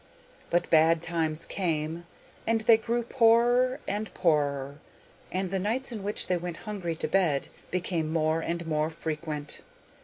But bad times came, and they grew poorer and poorer, and the nights in which they went hungry to bed became more and more frequent.